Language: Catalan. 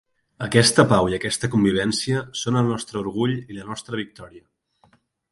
Aquesta pau i aquesta convivència són el nostre orgull i la nostra victòria.